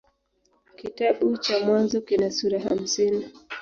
Kitabu cha Mwanzo kina sura hamsini.